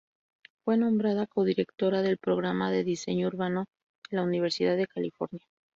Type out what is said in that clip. Fue nombrada codirectora del Programa de Diseño Urbano de la Universidad de California.